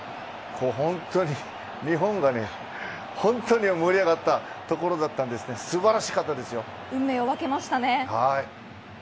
本当に日本が盛り上がったところだったんですが運命を分けましたね。